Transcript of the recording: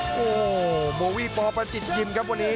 โอ้โหโบวี่ปอประจิตยิมครับวันนี้